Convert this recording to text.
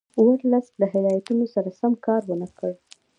ورلسټ له هدایتونو سره سم کار ونه کړ.